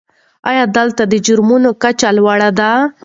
آیا دلته د جرمونو کچه لوړه ده؟